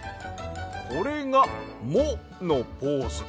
これが「モ」のポーズ。